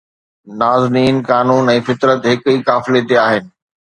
نازنين قانون ۽ فطرت هڪ ئي قافلي تي آهن